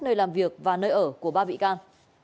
nơi làm việc và nơi ở của ba bị can